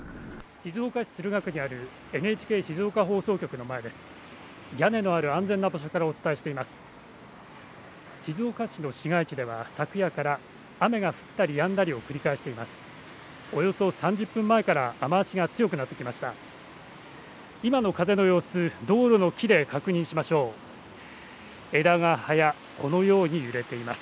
静岡市の市街地では昨夜から雨が降ったりやんだりを繰り返しています。